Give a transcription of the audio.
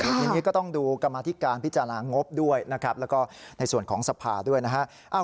ทีนี้ก็ต้องดูกรรมธิการพิจารณางบด้วยนะครับแล้วก็ในส่วนของสภาด้วยนะฮะ